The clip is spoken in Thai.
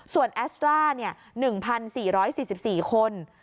ส่วนแอสตรา๑๔๔๔คน